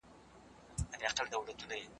چې هر چېرته ځي، ځي دي او هر څه چې کوي، کوي دې